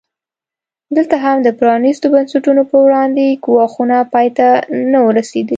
دلته هم د پرانیستو بنسټونو پر وړاندې ګواښونه پای ته نه وو رسېدلي.